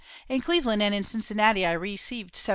In Cleveland and in Cincinnati I received $750.